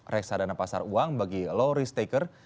reksadana pasar uang bagi low risk taker